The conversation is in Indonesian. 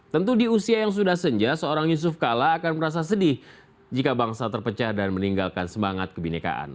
tentu di usia yang sudah senja seorang yusuf kala akan merasa sedih jika bangsa terpecah dan meninggalkan semangat kebinekaan